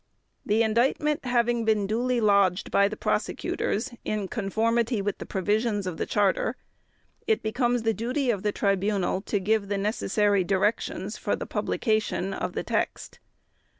"The Indictment having been duly lodged by the Prosecutors in conformity with the provisions of the Charter, it becomes the duty of the Tribunal to give the necessary directions for the publication of the text.